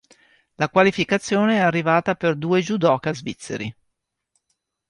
La qualificazione è arrivata per due "judoka" svizzeri.